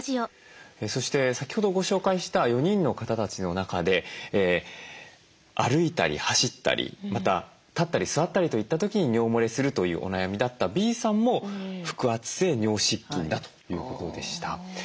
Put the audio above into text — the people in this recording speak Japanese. そして先ほどご紹介した４人の方たちの中で歩いたり走ったりまた立ったり座ったりといった時に尿もれするというお悩みだったＢさんも腹圧性尿失禁だということでした。